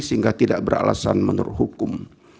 sehingga tidak beralasan menurut hukum